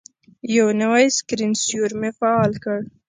یو نوی سکرین سیور مې فعال کړ.